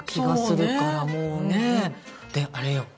であれよ。